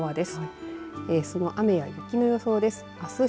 その雨や雪の予想です。